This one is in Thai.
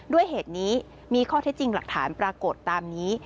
ด้วยเหตุนี้มีข้อเท็จจริงหลักฐานปรากฏตามนี้